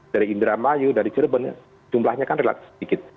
dari indramayu dari cirebon jumlahnya kan relatif sedikit